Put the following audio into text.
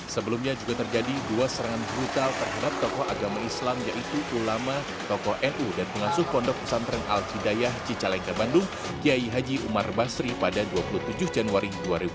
sebelumnya juga terjadi dua serangan brutal terhadap tokoh agama islam yaitu ulama tokoh nu dan pengasuh pondok pesantren al hidayah cicalengka bandung kiai haji umar basri pada dua puluh tujuh januari dua ribu dua puluh